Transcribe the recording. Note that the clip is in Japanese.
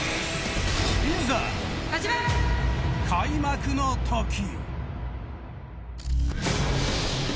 いざ、開幕のとき。